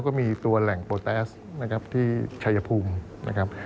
ก็มีตัวแหล่งโปรแทสที่ชัยภูมินะครับ